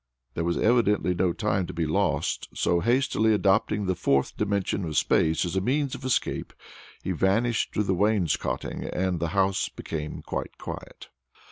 There was evidently no time to be lost, so, hastily adopting the Fourth dimension of Space as a means of escape, he vanished through the wainscoting, and the house became quite quiet.